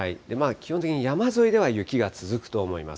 基本的に山沿いでは雪が続くと思います。